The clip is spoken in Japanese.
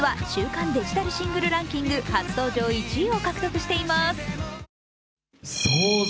更に新曲「ホワイトノイズ」は週間デジタルシングルランキング初登場１位を獲得しています。